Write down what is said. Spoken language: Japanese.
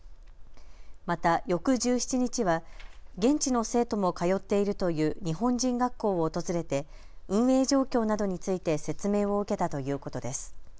また翌１７日は現地の生徒も通っているという日本人学校を訪れて運営状況などについて説明を受けたということです。